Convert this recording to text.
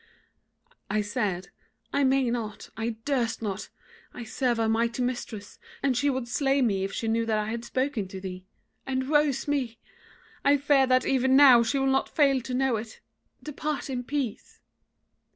"I said, 'I may not, I durst not; I serve a mighty mistress, and she would slay me if she knew that I had spoken to thee; and woe's me! I fear that even now she will not fail to know it. Depart in peace.'